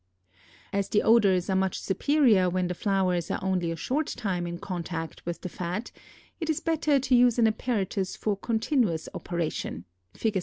[Illustration: FIG. 17.] As the odors are much superior when the flowers are only a short time in contact with the fat, it is better to use an apparatus for continuous operation (Fig.